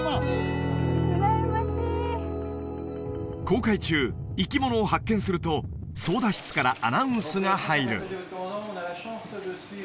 航海中生き物を発見すると操舵室からアナウンスが入る